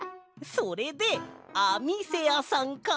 それで「あ」みせやさんか！